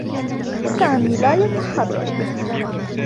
سامي لا يتحرّك.